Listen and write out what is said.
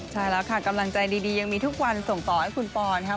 ใช่แล้วค่ะกำลังใจดียังมีทุกวันส่งต่อให้คุณปอนครับ